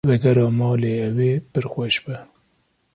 Vegera malê ew ê pir xweş be.